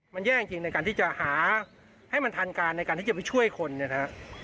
มันแย่จริงในการที่จะหาให้มันทันการในการที่จะไปช่วยคนเนี่ยนะฮะ